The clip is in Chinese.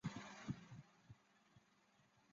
是要不要放过我啊